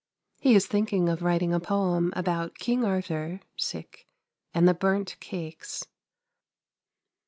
He is thinking of writing a poem about King Arthur and the burnt cakes.